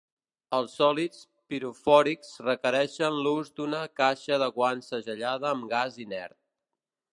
Els sòlids pirofòrics requereixen l'ús d'una caixa de guants segellada amb gas inert.